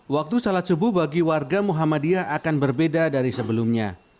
waktu salat subuh bagi warga muhammadiyah akan berbeda dari sebelumnya